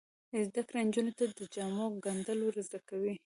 زده کړه نجونو ته د جامو ګنډل ور زده کوي.